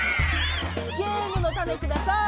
ゲームのタネください！